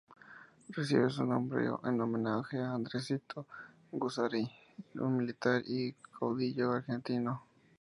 Recibe su nombre en homenaje a Andresito Guazurarí, un militar y caudillo argentino.